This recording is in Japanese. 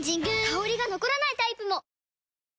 香りが残らないタイプも！